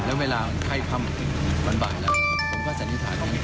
แล้วเวลาไข้ค่ำมันบ่ายแล้วผมก็สันนิษฐานอย่างนี้